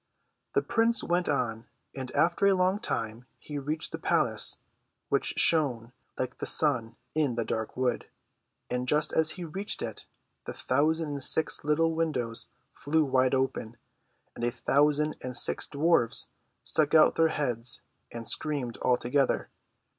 The prince Avent on, and after a long time he reached the palace, which shone like the sun in the dark Avood, and just as he reached it the thousand and six little AvindoAVS fleAV wide open, and a thousand and six dAAmrfs stuck out their heads, and screamed all together, Krek